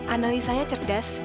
analisanya cerdas dan berpikir